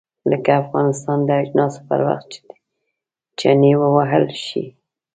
لکه افغانستان د اجناسو پر وخت چنې ووهل شي.